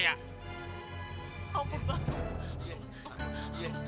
ya ampun bang